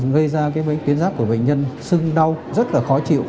gây ra cái tuyến giáp của bệnh nhân sưng đau rất là khó chịu